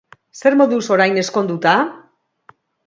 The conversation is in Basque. Zer moduz orain, ezkonduta?